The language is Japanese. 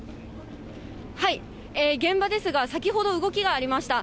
現場ですが、先ほど、動きがありました。